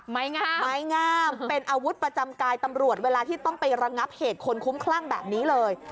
ไม้งามเป็นอาวุธประจำกายตำรวจเวลาที่ต้องไประงับเหตุคนคุ้มคลั่งแบบนี้เลย